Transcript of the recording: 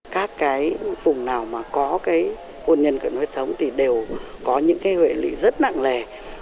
các cái vùng nào mà có cái hôn nhân cận huyết thống thì đều có những cái hệ lý rất nặng lề